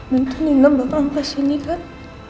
nanti nino bakal sampai sini kan